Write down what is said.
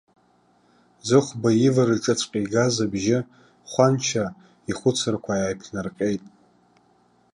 Зыхәба ивараҿыҵәҟьа игаз абжьы хәанча ихәыцрақәа ааиԥнаҟьеит.